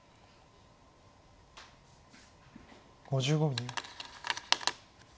５５秒。